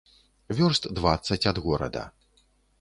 Вёрст дваццаць ад горада.